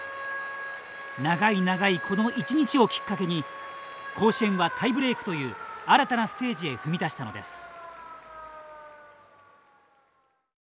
長い長い、この一日をきっかけに甲子園はタイブレークという新たなステージへ踏み出したのです。